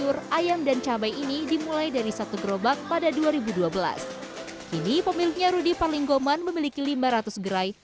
ruti paling goman memiliki lima ratus gerai